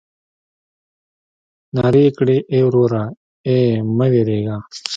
نارې يې کړې ای وروره ای مه وېرېږه.